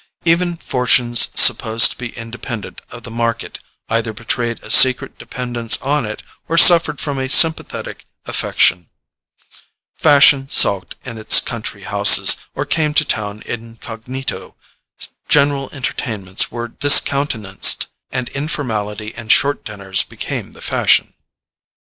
Even fortunes supposed to be independent of the market either betrayed a secret dependence on it, or suffered from a sympathetic affection: fashion sulked in its country houses, or came to town incognito, general entertainments were discountenanced, and informality and short dinners became the fashion.